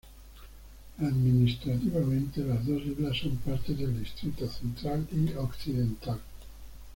Administrativamente, las dos islas son parte del Distrito Central y Occidental.